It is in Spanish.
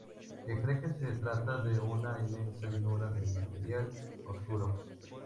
Se cree que se trata de una inmensa llanura de material oscuro.